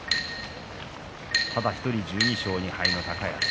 ただ１人、１２勝２敗の高安。